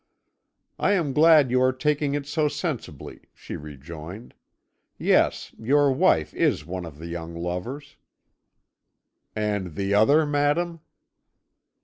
"'I am glad you are taking it so sensibly,' she rejoined. 'Yes, your wife is one of the young lovers.' "'And the other, madam.'